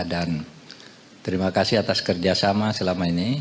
dan terima kasih atas kerjasama selama ini